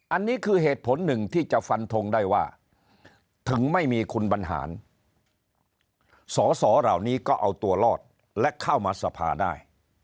อันนี้คือเหตุผลหนึ่งที่จะฟันทงได้ว่าถึงไม่มีคุณบรรหารสอสอเหล่านี้ก็เอาตัวรอดและเข้ามาสภาได้